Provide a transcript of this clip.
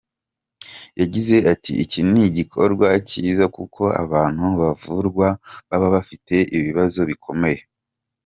Yagize ati “Iki ni igikorwa cyiza kuko abantu bavurwa baba bafite ibibazo bikomeye.